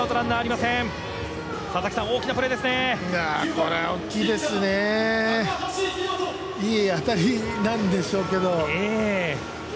これは大きいですね、いい当たりなんでしょうけど。